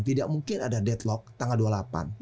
tidak mungkin ada deadlock tanggal dua puluh delapan